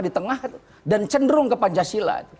di tengah dan cenderung ke pancasila